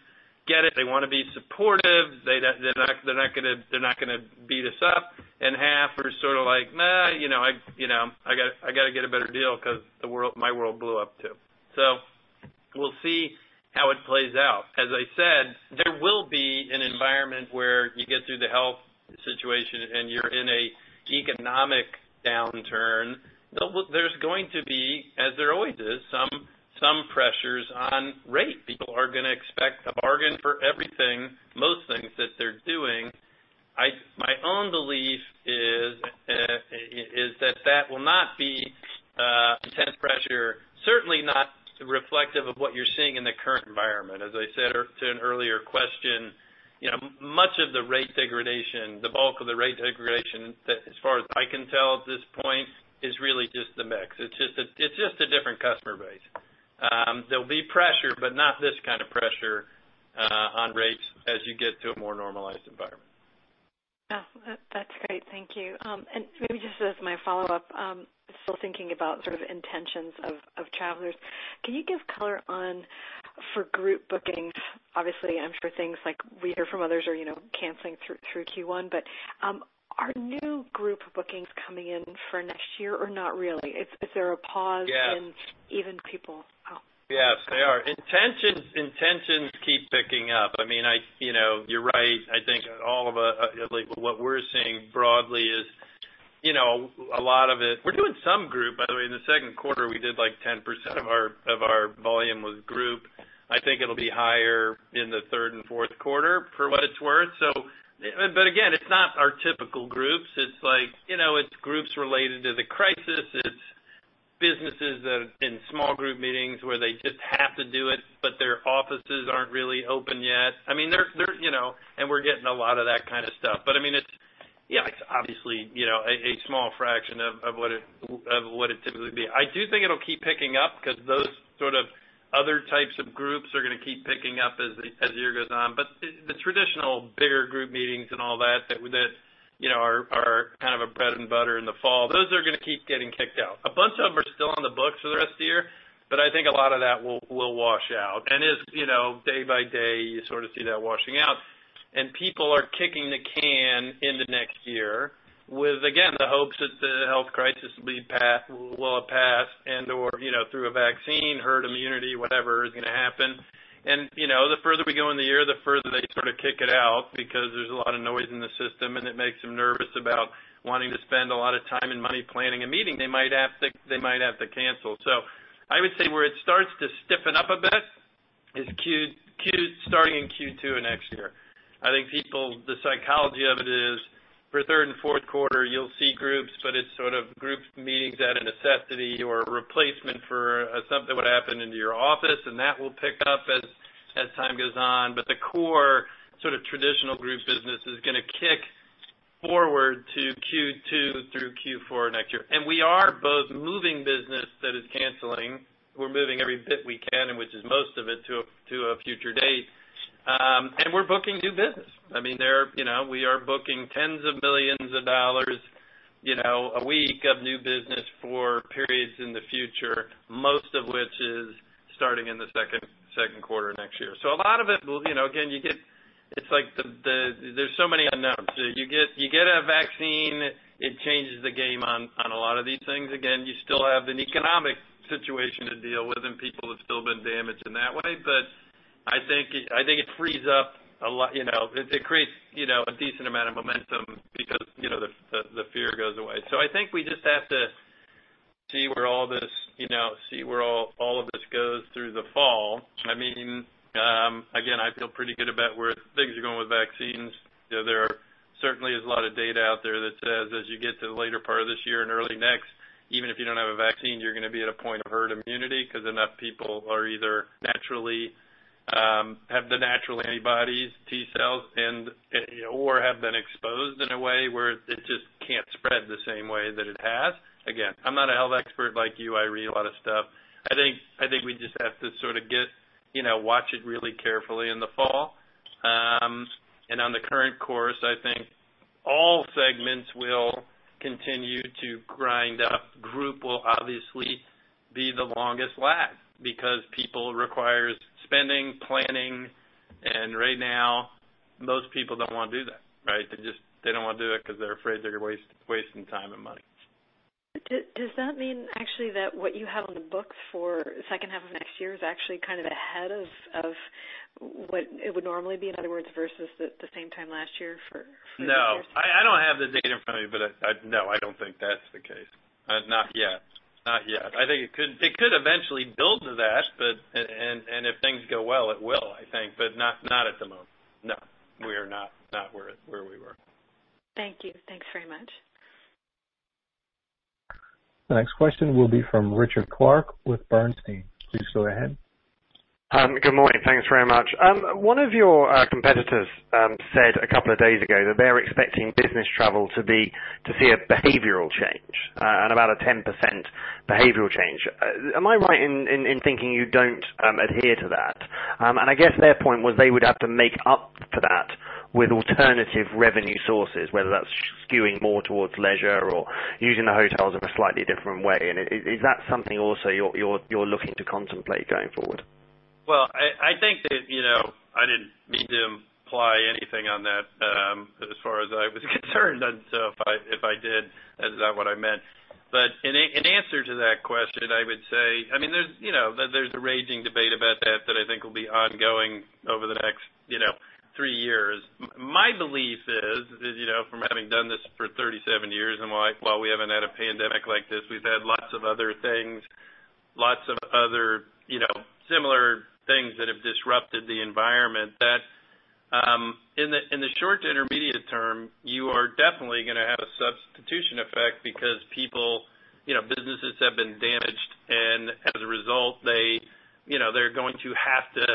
get it. They want to be supportive. They're not going to beat us up. Half are sort of like, nah, I got to get a better deal because my world blew up, too. We'll see how it plays out. As I said, there will be an environment where you get through the health situation and you're in an economic downturn. There's going to be, as there always is, some pressures on rate. People are going to expect to bargain for everything, most things that they're doing. My own belief is that will not be intense pressure. Certainly not reflective of what you're seeing in the current environment. As I said to an earlier question, much of the rate degradation, the bulk of the rate degradation, as far as I can tell at this point, is really just the mix. It's just a different customer base. There'll be pressure, but not this kind of pressure on rates as you get to a more normalized environment. Yeah. That's great. Thank you. Maybe just as my follow-up, still thinking about sort of intentions of travelers. Can you give color on for group bookings? Obviously, I'm sure things like we hear from others are canceling through Q1. Are new group bookings coming in for next year or not really? Is there a pause? Yes. In even people? Oh. Yes, they are. Intentions keep picking up. You're right. I think what we're seeing broadly is we're doing some group, by the way. In the second quarter, we did like 10% of our volume was group. I think it'll be higher in the third and fourth quarter for what it's worth. Again, it's not our typical groups. It's groups related to the crisis. It's businesses that are in small group meetings where they just have to do it, but their offices aren't really open yet. We're getting a lot of that kind of stuff. It's obviously a small fraction of what it typically would be. I do think it'll keep picking up because those sort of other types of groups are going to keep picking up as the year goes on. The traditional bigger group meetings and all that are kind of our bread and butter in the fall, those are going to keep getting kicked out. A bunch of them are still on the books for the rest of the year, but I think a lot of that will wash out. As day by day, you sort of see that washing out. People are kicking the can into next year with, again, the hopes that the health crisis will pass and/or through a vaccine, herd immunity, whatever is going to happen. The further we go in the year, the further they sort of kick it out because there's a lot of noise in the system, and it makes them nervous about wanting to spend a lot of time and money planning a meeting they might have to cancel. I would say where it starts to stiffen up a bit is starting in Q2 next year. I think people, the psychology of it is for third and fourth quarter, you'll see groups, but it's sort of groups meetings out of necessity or a replacement for something would happen into your office, and that will pick up as time goes on. The core sort of traditional group business is going to kick forward to Q2 through Q4 next year. We are both moving business that is canceling. We're moving every bit we can and which is most of it to a future date. We're booking new business. We are booking tens of millions of dollars a week of new business for periods in the future, most of which is starting in the second quarter next year. A lot of it will-- Again, there's so many unknowns. You get a vaccine, it changes the game on a lot of these things. Again, you still have an economic situation to deal with, and people have still been damaged in that way. I think it frees up a lot. It creates a decent amount of momentum because the fear goes away. I think we just have to see where all of this goes through the fall. Again, I feel pretty good about where things are going with vaccines. There certainly is a lot of data out there that says as you get to the later part of this year and early next, even if you don't have a vaccine, you're going to be at a point of herd immunity because enough people either naturally have the natural antibodies, T-cells, and/or have been exposed in a way where it just can't spread the same way that it has. Again, I'm not a health expert like you. I read a lot of stuff. I think we just have to sort of watch it really carefully in the fall. On the current course, I think all segments will continue to grind up. Group will obviously be the longest lag because people requires spending, planning, and right now, most people don't want to do that. They don't want to do it because they're afraid they're wasting time and money. Does that mean actually that what you have on the books for the second half of next year is actually kind of ahead of what it would normally be, in other words, versus the same time last year? No. I don't have the data in front of me, but no, I don't think that's the case. Not yet. I think it could eventually build to that, and if things go well, it will, I think, but not at the moment. No, we are not where we were. Thank you. Thanks very much. The next question will be from Richard Clarke with Bernstein. Please go ahead. Good morning. Thanks very much. One of your competitors said a couple of days ago that they're expecting business travel to see a behavioral change, and about a 10% behavioral change. Am I right in thinking you don't adhere to that? I guess their point was they would have to make up for that with alternative revenue sources, whether that's skewing more towards leisure or using the hotels in a slightly different way. Is that something also you're looking to contemplate going forward? Well, I think that I didn't mean to imply anything on that, as far as I was concerned, and so if I did, that is not what I meant. In answer to that question, I would say, there's a raging debate about that that I think will be ongoing over the next three years. My belief is, from having done this for 37 years, and while we haven't had a pandemic like this, we've had lots of other things, lots of other similar things that have disrupted the environment, that in the short to intermediate term, you are definitely going to have a substitution effect because people, businesses have been damaged, and as a result, they're going to have to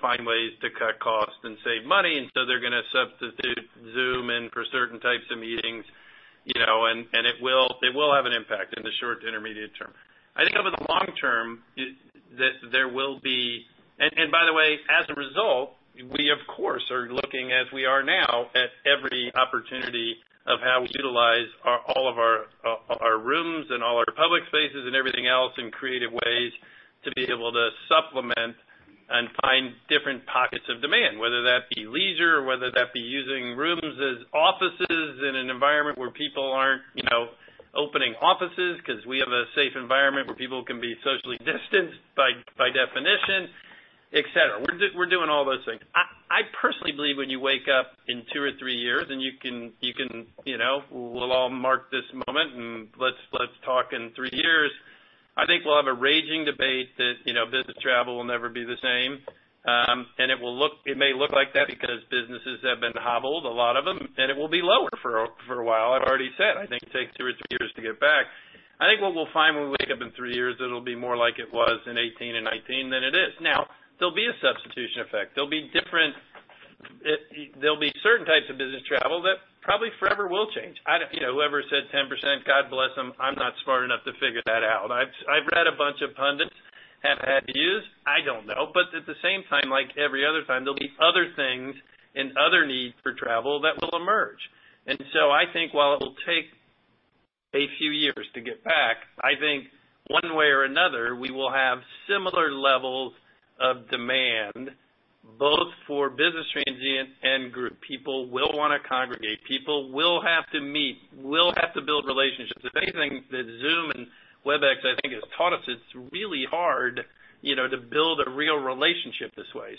find ways to cut costs and save money, and so they're going to substitute Zoom in for certain types of meetings, and it will have an impact in the short to intermediate term. I think over the long term, there will be. By the way, as a result, we of course, are looking, as we are now, at every opportunity of how we utilize all of our rooms and all our public spaces and everything else in creative ways to be able to supplement and find different pockets of demand, whether that be leisure or whether that be using rooms as offices in an environment where people aren't opening offices, because we have a safe environment where people can be socially distanced by definition, et cetera. We're doing all those things. I personally believe when you wake up in two or three years, and we'll all mark this moment, and let's talk in three years, I think we'll have a raging debate that business travel will never be the same. It may look like that because businesses have been hobbled, a lot of them, and it will be lower for a while. I've already said, I think it takes two or three years to get back. I think what we'll find when we wake up in three years, it will be more like it was in 2018 and 2019 than it is. Now. There'll be a substitution effect. There'll be certain types of business travel that probably forever will change. Whoever said 10%, God bless them. I'm not smart enough to figure that out. I've read a bunch of pundits have had views. I don't know. At the same time, like every other time, there'll be other things and other needs for travel that will emerge. I think while it will take a few years to get back, I think one way or another, we will have similar levels of demand both for business transient and group. People will want to congregate. People will have to meet, will have to build relationships. If anything, the Zoom and Webex, I think, has taught us it's really hard to build a real relationship this way.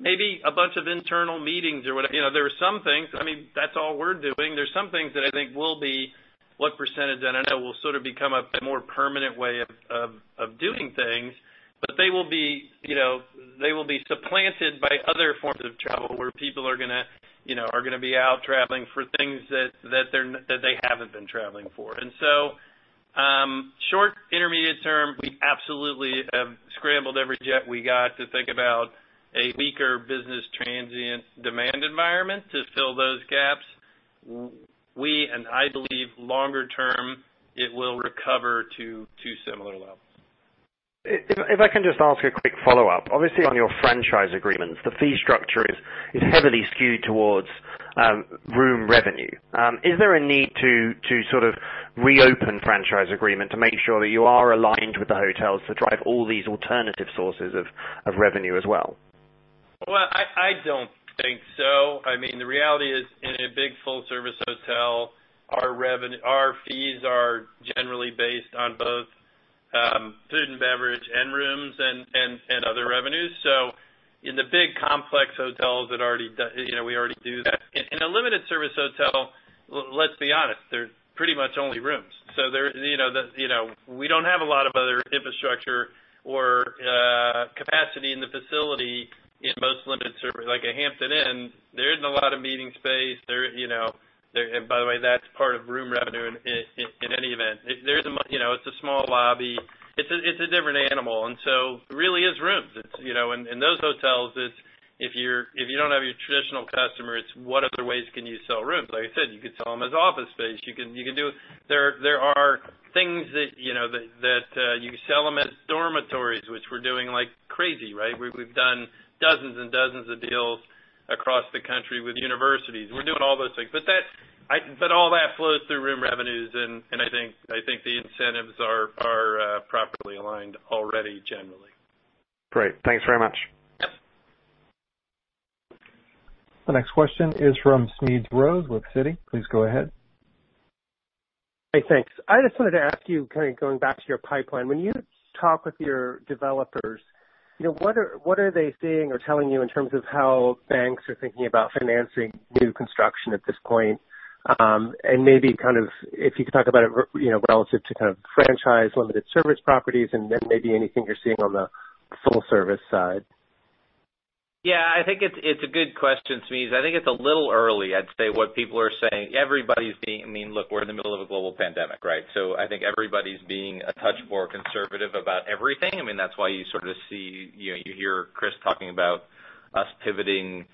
Maybe a bunch of internal meetings or whatever. There are some things, I mean, that's all we're doing. There are some things that I think will be what percentage, I don't know, will sort of become a more permanent way of doing things, but they will be supplanted by other forms of travel where people are going to be out traveling for things that they haven't been traveling for. Short, intermediate term, we absolutely have scrambled every jet we got to think about a weaker business transient demand environment to fill those gaps. We, and I believe longer term, it will recover to similar levels. If I can just ask a quick follow-up. Obviously, on your franchise agreements, the fee structure is heavily skewed towards room revenue. Is there a need to sort of reopen franchise agreement to make sure that you are aligned with the hotels to drive all these alternative sources of revenue as well? I don't think so. The reality is, in a big full-service hotel, our fees are generally based on both food and beverage and rooms and other revenues. In the big complex hotels we already do that. In a limited service hotel, let's be honest, they're pretty much only rooms. We don't have a lot of other infrastructure or capacity in the facility in most limited service. Like a Hampton Inn, there isn't a lot of meeting space. By the way, that's part of room revenue in any event. It's a small lobby. It's a different animal. It really is rooms. In those hotels, if you don't have your traditional customers, what other ways can you sell rooms? Like I said, you could sell them as office space. There are things that you sell them as dormitories, which we're doing like crazy, right? We've done dozens and dozens of deals across the country with universities. We're doing all those things. All that flows through room revenues, and I think the incentives are aligned already generally. Great. Thanks very much. Yep. The next question is from Smedes Rose with Citi. Please go ahead. Hey, thanks. I just wanted to ask you, going back to your pipeline, when you talk with your developers, what are they seeing or telling you in terms of how banks are thinking about financing new construction at this point? Maybe if you could talk about it relative to franchise limited service properties, and then maybe anything you're seeing on the full service side? Yeah, I think it's a good question, Smedes. I think it's a little early. Look, we're in the middle of a global pandemic, right? I think everybody's being a touch more conservative about everything. That's why you hear Chris talking about us pivoting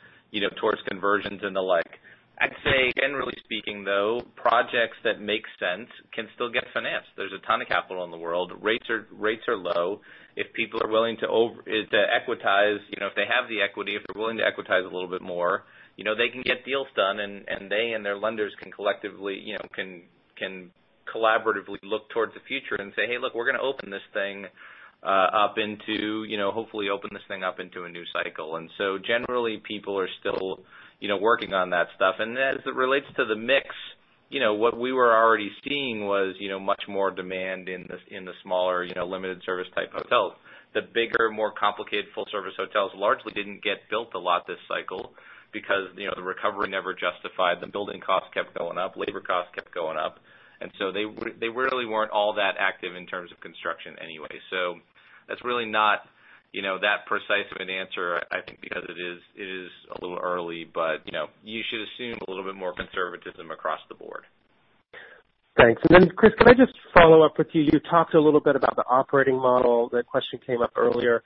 towards conversions and the like. I'd say generally speaking, though, projects that make sense can still get financed. There's a ton of capital in the world. Rates are low. If people are willing to equitize, if they have the equity, if they're willing to equitize a little bit more, they can get deals done, and they and their lenders can collaboratively look towards the future and say, hey, look, we're going to hopefully open this thing up into a new cycle. Generally, people are still working on that stuff. As it relates to the mix, what we were already seeing was much more demand in the smaller limited service type hotels. The bigger, more complicated full service hotels largely didn't get built a lot this cycle because the recovery never justified them. Building costs kept going up, labor costs kept going up, they really weren't all that active in terms of construction anyway. That's really not that precise of an answer, I think, because it is a little early. You should assume a little bit more conservatism across the board. Thanks. Chris, can I just follow up with you? You talked a little bit about the operating model. That question came up earlier.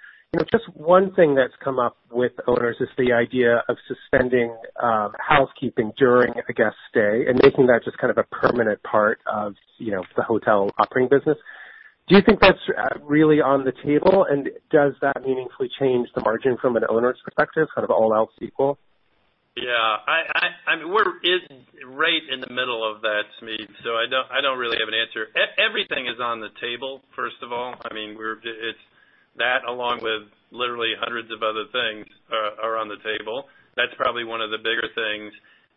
Just one thing that's come up with owners is the idea of suspending housekeeping during a guest stay and making that just kind of a permanent part of the hotel operating business. Do you think that's really on the table, and does that meaningfully change the margin from an owner's perspective, kind of all else equal? Yeah. We're right in the middle of that, Smedes, so I don't really have an answer. Everything is on the table, first of all. That along with literally hundreds of other things are on the table. That's probably one of the bigger things.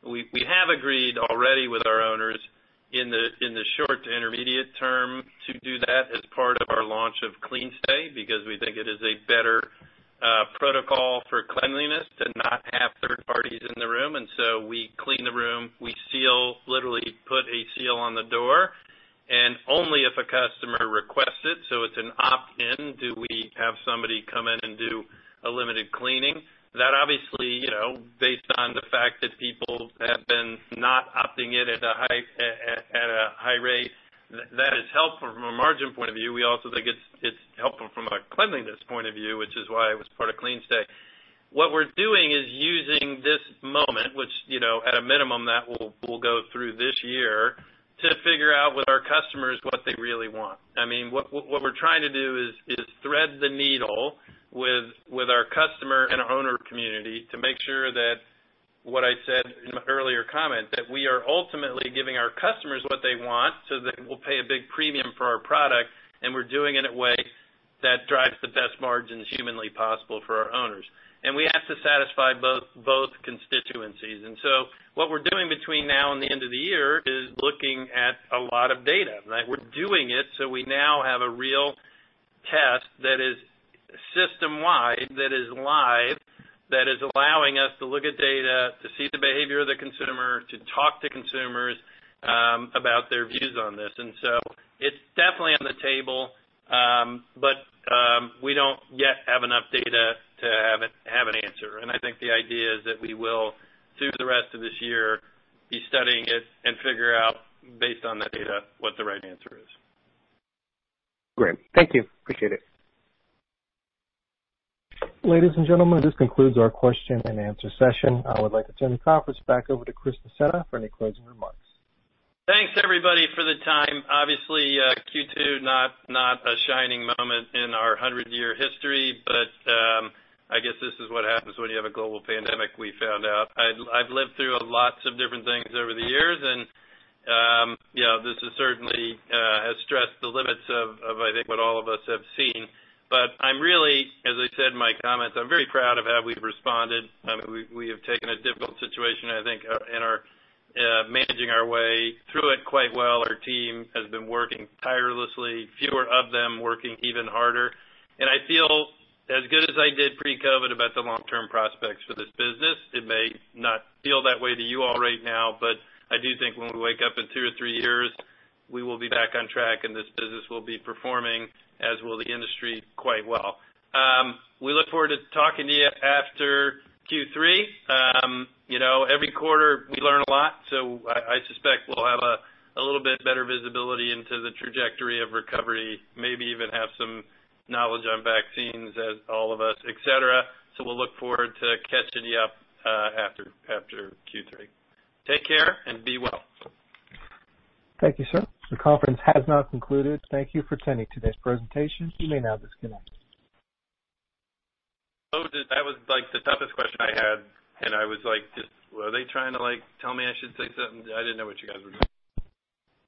We have agreed already with our owners in the short to intermediate term to do that as part of our launch of CleanStay, because we think it is a better protocol for cleanliness to not have third parties in the room. We clean the room, we literally put a seal on the door, and only if a customer requests it, so it's an opt-in, do we have somebody come in and do a limited cleaning. That obviously, based on the fact that people have been not opting in at a high rate, that is helpful from a margin point of view. We also think it's helpful from a cleanliness point of view, which is why it was part of CleanStay. What we're doing is using this moment, which at a minimum that will go through this year, to figure out with our customers what they really want. What we're trying to do is thread the needle with our customer and owner community to make sure that what I said in an earlier comment, that we are ultimately giving our customers what they want so that they will pay a big premium for our product, and we're doing it in a way that drives the best margins humanly possible for our owners. We have to satisfy both constituencies. What we're doing between now and the end of the year is looking at a lot of data. We're doing it so we now have a real test that is system-wide, that is live, that is allowing us to look at data, to see the behavior of the consumer, to talk to consumers about their views on this. It's definitely on the table, but we don't yet have enough data to have an answer. I think the idea is that we will, through the rest of this year, be studying it and figure out based on the data what the right answer is. Great. Thank you. Appreciate it. Ladies and gentlemen, this concludes our question-and-answer session. I would like to turn the conference back over to Chris Nassetta for any closing remarks. Thanks, everybody, for the time. Obviously, Q2, not a shining moment in our 100-year history. I guess this is what happens when you have a global pandemic, we found out. I've lived through lots of different things over the years, and this certainly has stressed the limits of I think what all of us have seen. I'm really, as I said in my comments, I'm very proud of how we've responded. We have taken a difficult situation, I think, and are managing our way through it quite well. Our team has been working tirelessly, fewer of them working even harder. I feel as good as I did pre-COVID about the long-term prospects for this business. It may not feel that way to you all right now, but I do think when we wake up in two or three years, we will be back on track, and this business will be performing, as will the industry quite well. We look forward to talking to you after Q3. Every quarter we learn a lot, so I suspect we'll have a little bit better visibility into the trajectory of recovery, maybe even have some knowledge on vaccines as all of us, et cetera. We'll look forward to catching you up after Q3. Take care and be well. Thank you, sir. The conference has now concluded. Thank you for attending today's presentation. You may now disconnect. That was the toughest question I had, and I was like, were they trying to tell me I should say something? I didn't know what you guys were doing.